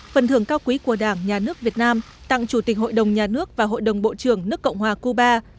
phần thưởng cao quý của đảng nhà nước việt nam tặng chủ tịch hội đồng nhà nước và hội đồng bộ trưởng nước cộng hòa cuba